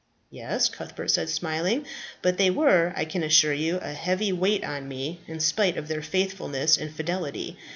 "Yes," Cuthbert said, smiling, "But they were, I can assure you, a heavy weight on me, in spite of their faithfulness and fidelity.